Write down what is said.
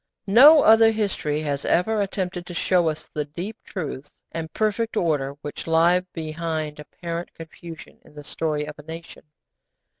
No other history has ever attempted to show us the deep truths and perfect order which lie behind apparent confusion in the story of a nation.